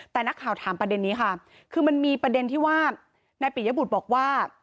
แต่นักข่าวถามประเด็นนี้ค่ะคือมันมีประเด็นที่ว่านายปิยบุตรบอกว่า